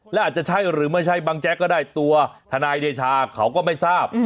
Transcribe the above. และอาจจะใช่หรือไม่ใช่บังแจ๊กก็ได้ตัวทนายเดชาเขาก็ไม่ทราบ